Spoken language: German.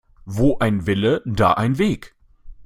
Wo ein Wille, da ein Weg.